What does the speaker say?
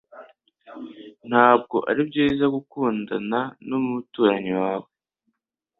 Ntabwo ari byiza gukundana numuturanyi wawe.